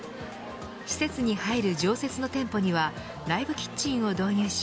施設に入る常設の店舗にはライブキッチンを導入し